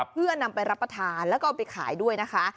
เพื่อนำไปรับประทานแล้วก็เอาไปขายด้วยนะคะ